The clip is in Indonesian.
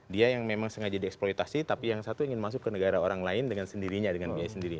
dia yang memang sengaja dieksploitasi tapi yang satu ingin masuk ke negara orang lain dengan sendirinya dengan biaya sendiri